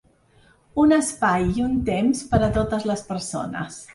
Un espai i un temps per a totes les persones.